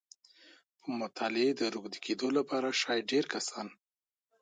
په مطالعې د روږدي کېدو لپاره شاید ډېری کسان